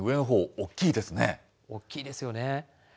大きいですよね。